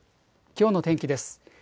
きょうの天気です。